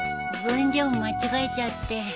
分量間違えちゃって。